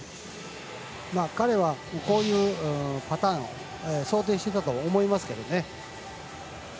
彼は、こういうパターンを想定していたと思いますけどね。